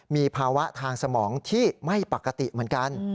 มีภาวะทางสมองที่ไม่ปกติเหมือนกัน